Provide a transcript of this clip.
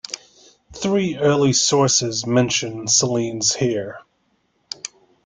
Three early sources mention Selene's hair.